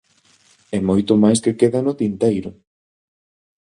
E moito máis que queda no tinteiro.